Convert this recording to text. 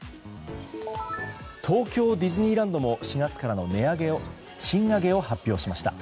東京ディズニーランドも４月からの賃上げを発表しました。